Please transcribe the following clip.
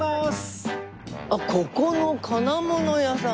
あっここの金物屋さん。